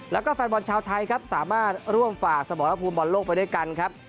แล้วก็แฟนบอลชาวไทยครับสามารถร่วมฝากสมรภูมิบอลโลกไปด้วยกันครับ